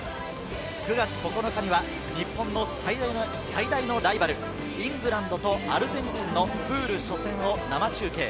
９月９日には日本の最大のライバル、イングランドとアルゼンチンのプール初戦を生中継。